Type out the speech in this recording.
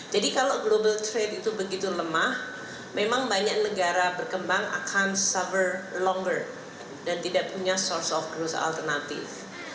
jadi kalau global trade itu begitu lemah memang banyak negara berkembang akan suffer longer dan tidak punya source of growth alternatif